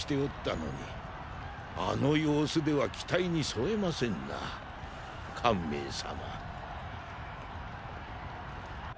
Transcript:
あの様子では期待にそえませんなァ汗明様。